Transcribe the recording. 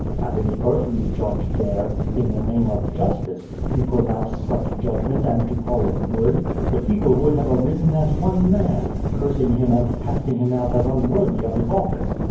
Had any earthly judge dared, in the name of justice, to pronounce such judgment and to call it ' good,' the people would have arisen as one man, cursing him and casting him out as unworthy of his office.